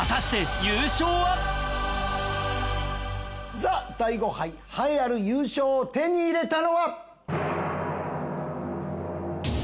ＴＨＥ大悟杯栄えある優勝を手に入れたのは。